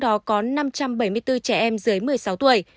trong đó có năm trăm bảy mươi bốn trẻ em dưới một mươi sáu tuổi